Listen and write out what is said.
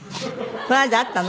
この間会ったの？